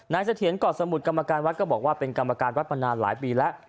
เสถียรกอดสมุทรกรรมการวัดก็บอกว่าเป็นกรรมการวัดมานานหลายปีแล้ว